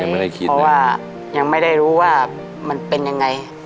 เพราะว่ายังไม่ได้รู้ว่ามันเป็นยังไง